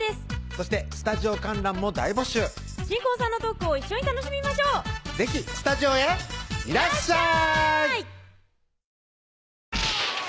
そしてスタジオ観覧も大募集新婚さんのトークを一緒に楽しみましょう是非スタジオへいらっしゃい